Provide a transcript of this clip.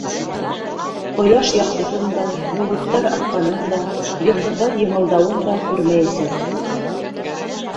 Ҡояш яҡтыһын да, болоттар аҡҡанын да, йондоҙҙар йымылдауын да күрмәйәсәк.